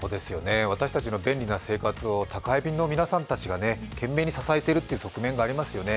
私たちの便利な生活を宅配便の皆さんたちが懸命に支えているという側面がありますよね。